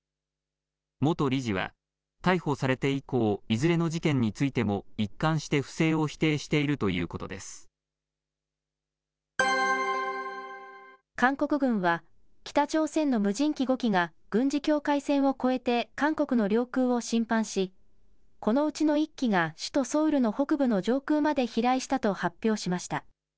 元理事は、逮捕されて以降、いずれの事件についても一貫して不正を否定しているということで韓国軍は、北朝鮮の無人機５機が、軍事境界線を越えて韓国の領空を侵犯し、このうちの１機が首都ソウルの北部の上空まで飛来したと発表しました。